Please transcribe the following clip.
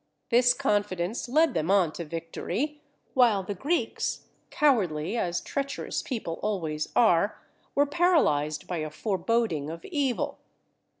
This confidence led them on to victory; while the Greeks, cowardly as treacherous people always are, were paralysed by a foreboding of evil.